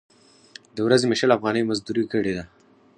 د ورځې مې شل افغانۍ مزدورۍ کړې ده.